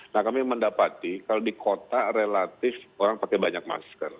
nah kami mendapati kalau di kota relatif orang pakai banyak masker